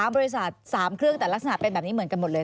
บริษัท๓เครื่องแต่ลักษณะเป็นแบบนี้เหมือนกันหมดเลย